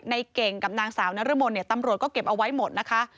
ในเก่งกับนางสาวนรมนเนี่ยตำรวจก็เก็บเอาไว้หมดนะคะ